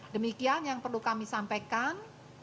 demikian yang perlu kami sampaikan